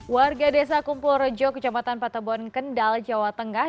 warga desa kumpul rejo kecamatan patebon kendal jawa tengah